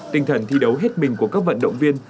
tinh thần thi đấu hết mình của các vận động viên